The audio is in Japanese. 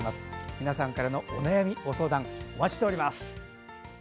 皆さんからのお悩み、ご相談お待ちしております。